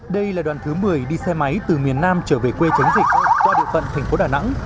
đây là đoàn thứ một mươi đi xe máy từ miền nam trở về quê chống dịch qua địa phận thành phố đà nẵng